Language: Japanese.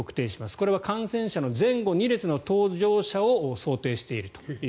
これは感染者の前後２列の搭乗者を想定していると。